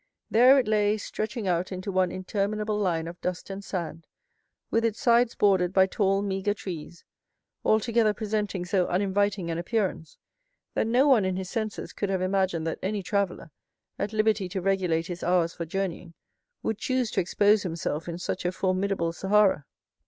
There it lay stretching out into one interminable line of dust and sand, with its sides bordered by tall, meagre trees, altogether presenting so uninviting an appearance, that no one in his senses could have imagined that any traveller, at liberty to regulate his hours for journeying, would choose to expose himself in such a formidable Sahara.